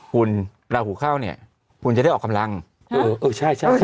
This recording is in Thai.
คุณลาหูเข้าเนี่ยคุณจะได้ออกกำลังเออเออใช่ใช่